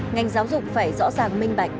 ngành giáo dục phải rõ ràng minh bạch